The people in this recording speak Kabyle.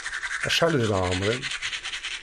Acḥal di leɛmeṛ-im?